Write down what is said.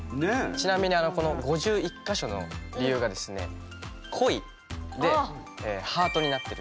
ちなみに５１か所の理由がですね恋でハートになってるっていう。